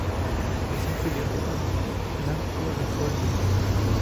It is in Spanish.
Es una filial de Bandai Namco Holdings.